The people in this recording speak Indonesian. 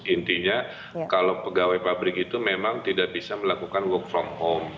intinya kalau pegawai pabrik itu memang tidak bisa melakukan work from home